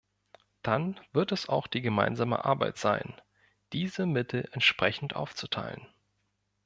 Dann wird es auch die gemeinsame Arbeit sein, diese Mittel entsprechend aufzuteilen.